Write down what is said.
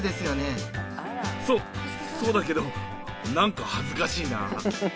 そそうだけどなんか恥ずかしいな。